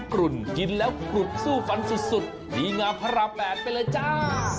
กลุ่นกินแล้วหลุดสู้ฝันสุดหรี่งาพระแปดไปเลยจ้า